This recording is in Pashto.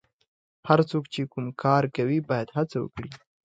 هر څوک چې کوم کار کوي باید هڅه وکړي.